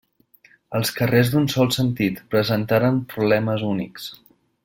Els carrers d'un sol sentit presentaren problemes únics.